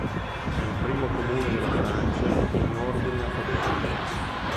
È il primo comune della Francia in ordine alfabetico.